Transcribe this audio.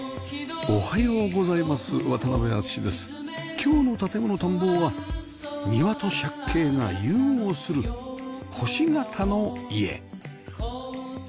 今日の『建もの探訪』は庭と借景が融合する星形の家